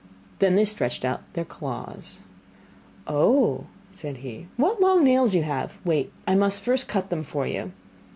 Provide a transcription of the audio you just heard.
Then they stretched out their claws. 'Oh,' said he, 'what long nails you have! Wait, I must first cut them for you.